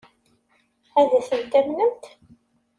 Ad tent-tamnemt?